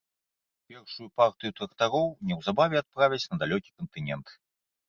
Першую партыю трактароў неўзабаве адправяць на далёкі кантынент.